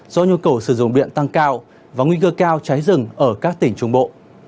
do nhu cầu sử dụng điện tăng cao và nguy cơ cao cháy rừng ở các tỉnh trung bộ